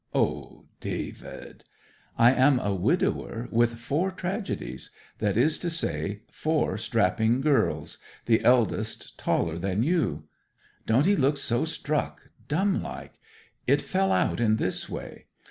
'O, David!' 'I am a widower with four tragedies that is to say, four strapping girls the eldest taller than you. Don't 'ee look so struck dumb like! It fell out in this way.